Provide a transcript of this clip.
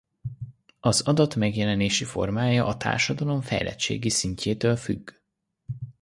Az adat megjelenési formája a társadalom fejlettségi szintjétől függ.